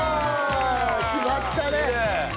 決まったね！